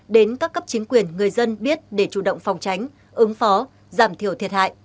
đến các cấp chính quyền người dân biết để chủ động phòng tránh ứng phó giảm thiểu thiệt hại